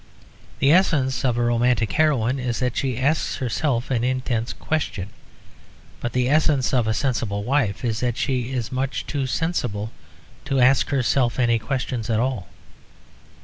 The essence of a romantic heroine is that she asks herself an intense question; but the essence of a sensible wife is that she is much too sensible to ask herself any questions at all.